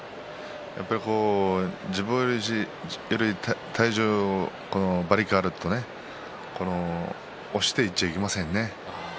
やっぱり自分より体重馬力があるとね押していっちゃいけませんね。